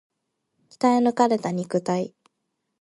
鍛え抜かれた肉体